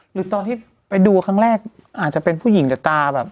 หรือตอนที่ไปดูครั้งแรกอาจจะเป็นผู้หญิงแต่ตาแบบ